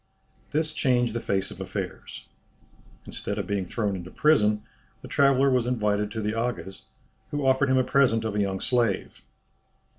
This changed the face of affairs. Instead of being thrown into prison the traveller was invited to the Aga's, who offered him a present of a young slave.